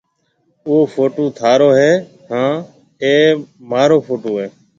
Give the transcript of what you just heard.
او ڦوٽُو ٿارو هيَ هانَ اَي مهارو ڦوٽُو هيَ۔